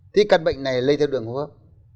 thì căn bệnh này lây theo đường hốp